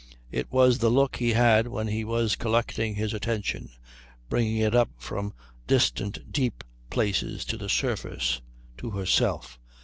It was the look he had when he was collecting his attention, bringing it up from distant deep places to the surface, to herself.